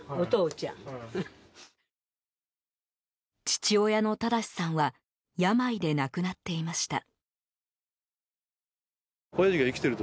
父親の董さんは病で亡くなっていました。